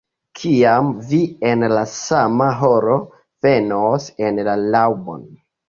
Kiam vi en la sama horo venos en la laŭbon.